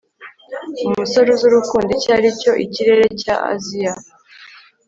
umusore, uzi urukundo icyo aricyo ikirere cya aziya